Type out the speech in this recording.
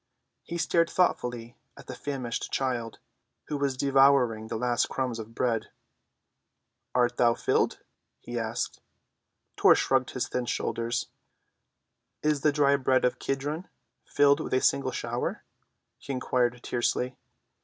He stared thoughtfully at the famished child, who was devouring the last crumbs of bread. "Art thou filled?" he asked. Tor shrugged his thin shoulders. "Is the dry bed of Kedron filled with a single shower?" he inquired tersely.